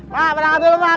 mak berangkat dulu mak